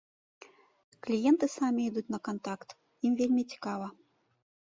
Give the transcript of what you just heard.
Кліенты самі ідуць на кантакт, ім вельмі цікава.